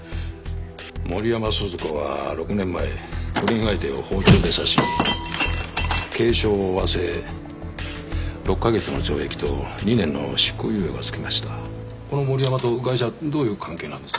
森山鈴子は６年前不倫相手を包丁で刺し軽傷を負わせ６ヵ月の懲役と２年の執行猶予がつきましたこの森山とガイシャどういう関係なんです？